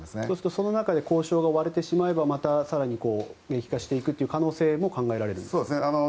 そうすると、その中で交渉が割れてしまえばまた更に激化していく可能性も考えられると。